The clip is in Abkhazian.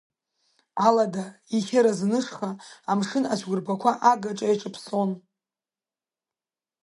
Алада, ихьы разнышха амшын ацәқәырԥақәа агаҿа иаҿаԥсон.